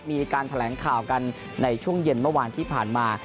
มีการแถลงข่าวกันในช่วงเย็นเมื่อวานที่ผ่านมา